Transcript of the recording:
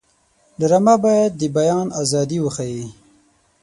ډرامه باید د بیان ازادي وښيي